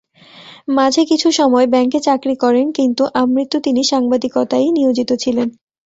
মাঝে কিছুসময় ব্যাংকে চাকরি করেন কিন্তু আমৃত্যু তিনি সাংবাদিকতায়ই নিয়োজিত ছিলেন।